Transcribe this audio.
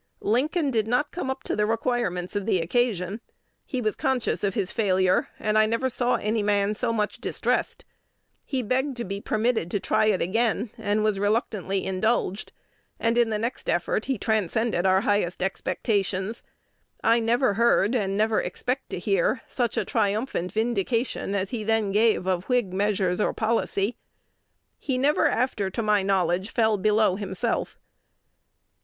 Lincoln did not come up to the requirements of the occasion. He was conscious of his failure; and I never saw any man so much distressed. He begged to be permitted to try it again, and was reluctantly indulged; and in the next effort he transcended our highest expectations. I never heard, and never expect to hear, such a triumphant vindication as he then gave of Whig measures or policy. He never after, to my knowledge, fell below himself."